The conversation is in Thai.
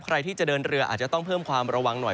ใครที่จะเดินเรืออาจจะต้องเพิ่มความระวังหน่อย